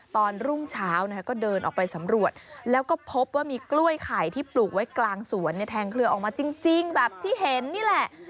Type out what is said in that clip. รุ่งเช้าก็เดินออกไปสำรวจแล้วก็พบว่ามีกล้วยไข่ที่ปลูกไว้กลางสวนเนี่ยแทงเคลือออกมาจริงแบบที่เห็นนี่แหละ